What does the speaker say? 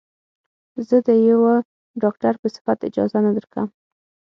زه د يوه ډاکتر په صفت اجازه نه درکم.